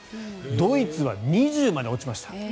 ドイツは２０％まで落ちました。